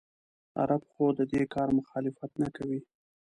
عرب خو د دې کار مخالفت نه کوي.